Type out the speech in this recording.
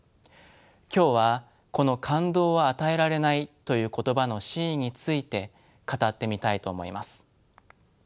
今日はこの「感動は与えられない」という言葉の真意について語ってみたいと思います。